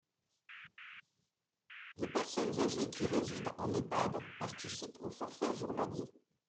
Les personnes âgées qui résident en EHPAD participent au forfait journalier.